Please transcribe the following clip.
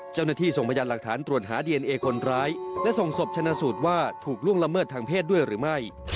เจ้าหน้าที่ส่งพยานหลักฐานตรวจหาดีเอนเอคนร้ายและส่งศพชนะสูตรว่าถูกล่วงละเมิดทางเพศด้วยหรือไม่